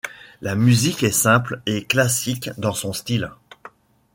La musique est simple et classique dans son style.